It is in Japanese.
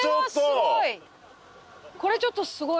これちょっとすごい。